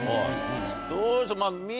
どうでしょう？